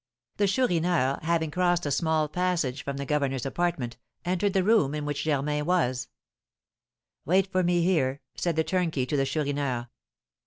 The Chourineur, having crossed a small passage from the governor's apartment, entered the room in which Germain was. "Wait for me here," said the turnkey to the Chourineur.